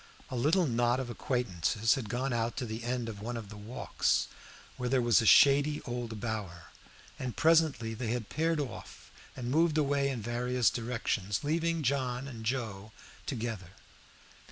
A little knot of acquaintances had gone out to the end of one of the walks, where there was a shady old bower, and presently they had paired off and moved away in various directions, leaving John and Joe together.